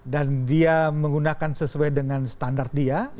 dan dia menggunakan sesuai dengan standar dia